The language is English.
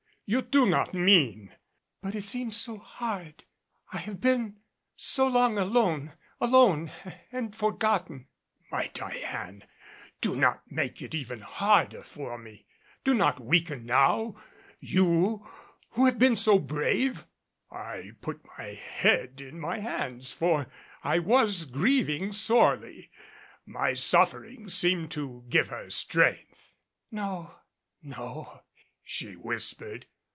You do not mean " "But it seems so hard! I have been so long alone alone and forgotten!" "My Diane! Do not make it even harder for me. Do not weaken now you who have been so brave." I put my head in my hands, for I was grieving sorely. My suffering seemed to give her strength. "No! no!" she whispered.